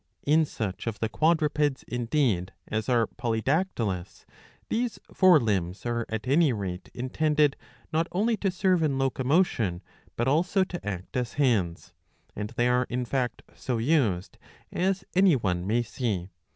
In such of the quadrupeds indeed as are polydactylous, these fore limbs are at any rate intended not only to serve in locomotion, but also to act as hands. And they are in fact so used, as any one may see.